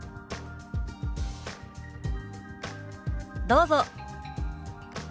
どうぞ。